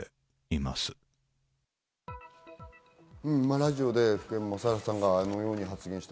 ラジオで福山さんがあのように発言しました。